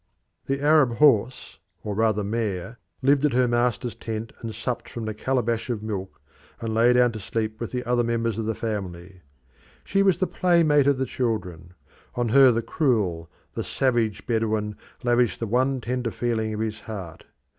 The Arab horse, or rather mare, lived in her master's tent and supped from the calabash of milk, and lay down to sleep with the other members of the family. She was the playmate of the children; on her the cruel, the savage Bedouin lavished the one tender feeling of his heart.